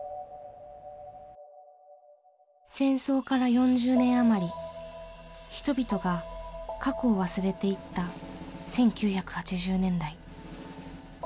戦争から４０年余り人々が過去を忘れていった１９８０年代。